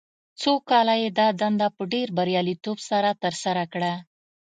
څو کاله یې دا دنده په ډېر بریالیتوب سره ترسره کړه.